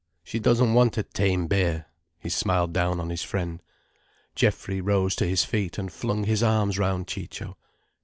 She doesn't want a tame bear." He smiled down on his friend. Geoffrey rose to his feet and flung his arms round Ciccio.